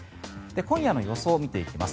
今夜の予想を見ていきます。